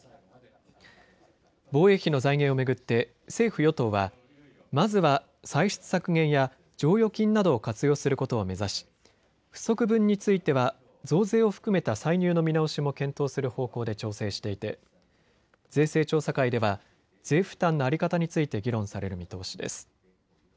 防衛費の財源を巡って政府与党はまずは歳出削減や剰余金などを活用することを目指し不足分については増税を含めた歳入の見直しも検討する方向で調整していて税制調査会では税負担の在り方について議論される見通しです。